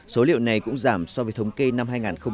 số liệu này cũng giảm so với thống kê năm hai nghìn một mươi tám